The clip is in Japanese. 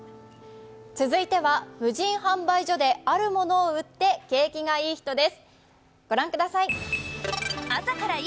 続いては無人販売所であるものを売って景気がイイ人です。